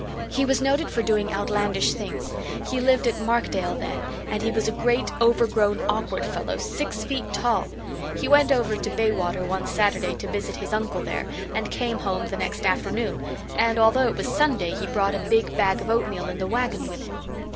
He was noted for doing outlandish things. He lived at Markdale then and he was a great, overgrown, awkward fellow, six feet tall. He drove over to Baywater one Saturday to visit his uncle there and came home the next afternoon, and although it was Sunday he brought a big bag of oatmeal in the wagon with him.